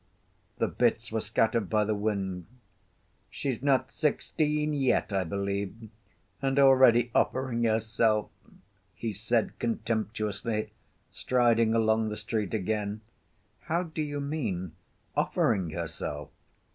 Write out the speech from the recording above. The bits were scattered by the wind. "She's not sixteen yet, I believe, and already offering herself," he said contemptuously, striding along the street again. "How do you mean, offering herself?"